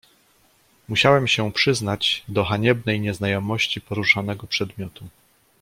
"Musiałem się przyznać do haniebnej nieznajomości poruszanego przedmiotu."